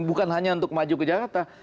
bukan hanya untuk maju ke jakarta